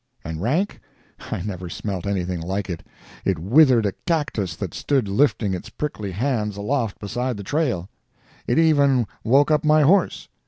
And rank? I never smelt anything like it. It withered a cactus that stood lifting its prickly hands aloft beside the trail. It even woke up my horse.